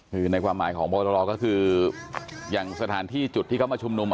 คือในความหมายของบอตรก็คืออย่างสถานที่จุดที่เขามาชุมนุม